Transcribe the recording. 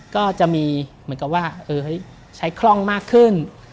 ก็จะมีเหมือนกับว่าใช้คล่องมากขึ้น